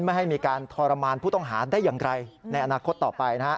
ไม่ให้มีการทรมานผู้ต้องหาได้อย่างไรในอนาคตต่อไป